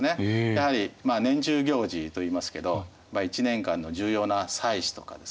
やはり年中行事といいますけど一年間の重要な祭祀とかですね